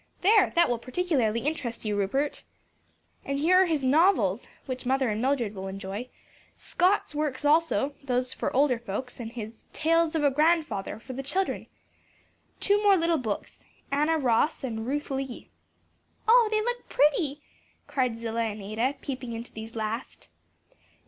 There, that will particularly interest you, Rupert. "And here are his novels, which mother and Mildred will enjoy. Scott's works also: those for older folks and his 'Tales of a Grandfather' for the children. Two more little books 'Anna Ross,' and 'Ruth Lee.'" "Oh, they look pretty!" cried Zillah and Ada, peeping into these last.